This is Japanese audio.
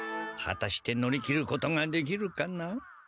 はたして乗り切ることができるかな？